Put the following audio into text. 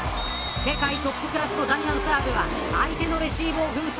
世界トップクラスの弾丸サーブは相手のレシーブを粉砕。